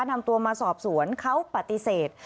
นำตัวมาสอบสวนเขาปฏิเสธ